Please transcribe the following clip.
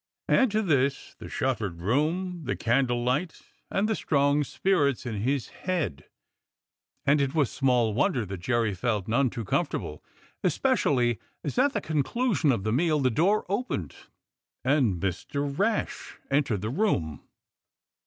Add to this the shut tered room, the candlelight, and the strong spirits in his head, and it was small wonder that Jerry felt none too comfortable, especially as at the conclusion of the meal the door opened and Mr. Rash entered the room.